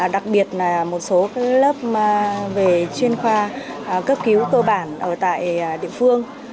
đặc biệt là một số lớp về chuyên khoa cấp cứu cơ bản ở tại địa phương